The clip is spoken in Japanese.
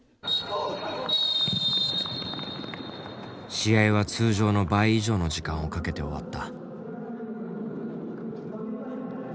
試合は通常の倍以上の時間をかけて終わった。